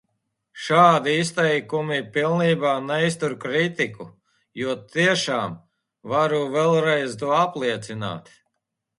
Šādi izteikumi pilnībā neiztur kritiku, jo – tiešām, varu vēlreiz to apliecināt!